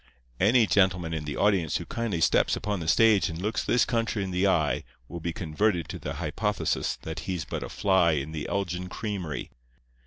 Any gentleman in the audience who kindly steps upon the stage and looks this country in the eye will be converted to the hypothesis that he's but a fly in the Elgin creamery.